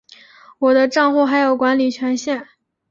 我的帐户还有管理权限